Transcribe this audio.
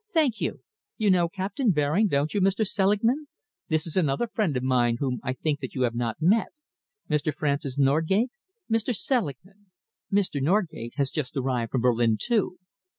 Thank you! You know Captain Baring, don't you, Mr. Selingman? This is another friend of mine whom I think that you have not met Mr. Francis Norgate, Mr. Selingman. Mr. Norgate has just arrived from Berlin, too."